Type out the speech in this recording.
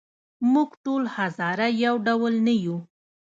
موږ ټول هزاره یو ډول نه یوو.